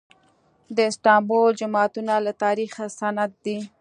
د استانبول جوماتونه د تاریخ سند دي.